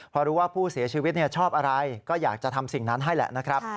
พอรู้ว่าผู้เสียชีวิตชอบอะไรก็อยากจะทำสิ่งนั้นให้แหละนะครับ